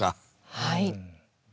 はい。